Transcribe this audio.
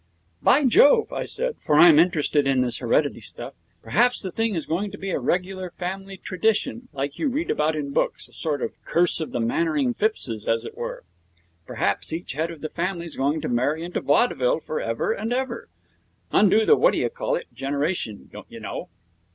'By Jove,' I said, for I am interested in this heredity stuff, 'perhaps the thing is going to be a regular family tradition, like you read about in books a sort of Curse of the Mannering Phippses, as it were. Perhaps each head of the family's going to marry into vaudeville for ever and ever. Unto the what d'you call it generation, don't you know?'